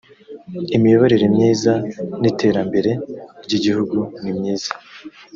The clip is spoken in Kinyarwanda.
imiyoborere myiza n ‘iterambere ry ‘igihugu nimyiza.